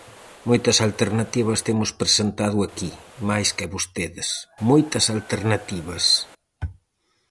Moitas alternativas temos presentado aquí, máis que vostedes, moitas alternativas.